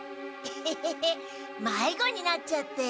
ヘヘヘヘまいごになっちゃって。